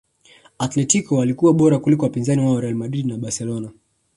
atletico walikuwa bora kuliko wapinzani wao real madrid na barcelona